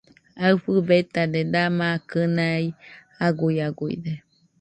Aɨfɨ betade, dama kɨnaɨ aguiaguide.